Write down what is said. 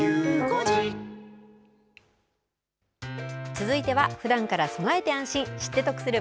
続いては、ふだんから備えて安心、知って得する！